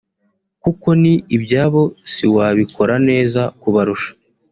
kuko ni ibyabo siwabikora neza kubarusha